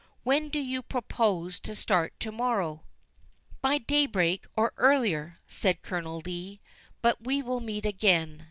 When do you propose to start to morrow?" "By daybreak, or earlier," said Colonel Lee; "but we will meet again.